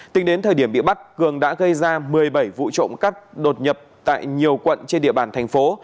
tính đến thời điểm bị bắt cường đã gây ra một mươi bảy vụ trộm cắp đột nhập tại nhiều quận trên địa bàn thành phố